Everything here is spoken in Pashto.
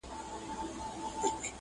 ده هم آس كړ پسي خوشي په ځغستا سو٫